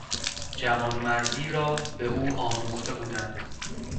جوانمردی را به او آموخته بودند.